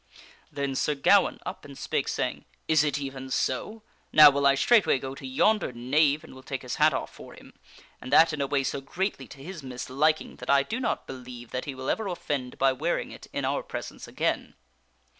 Then Sir Gawaine up and spake, saying: "Is it even so? Now will I straightway go to yonder knave, and will take his hat off for him, and that in a way so greatly to his misliking, that I do not believe that he will ever offend by wearing it in our presence again."